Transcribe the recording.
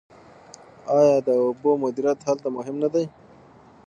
آیا د اوبو مدیریت هلته مهم نه دی؟